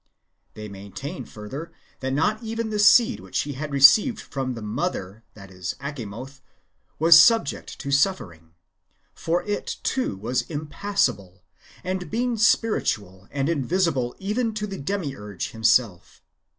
They maintain, further, that not even the seed which He had received from the mother [Acha moth] was subject to suffering; for it, too, was impassible, as being spiritual, and invisible even to the Demiurge him self.